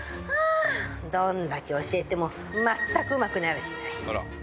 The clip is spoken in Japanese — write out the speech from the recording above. どんだけ教えても全くうまくなりゃしない。